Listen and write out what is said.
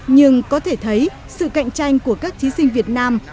nhưng có thể thấy sự cạnh tranh của các thí sinh việt nam